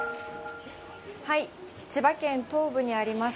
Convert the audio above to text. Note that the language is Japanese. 千葉県東部にあります